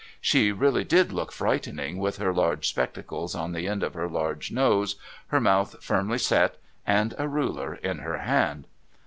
She really did look frightening with her large spectacles on the end of her large nose, her mouth firmly set, and a ruler in her hand.